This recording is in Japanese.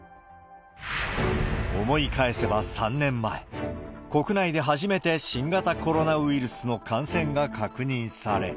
思い返せば３年前、国内で初めて新型コロナウイルスの感染が確認され。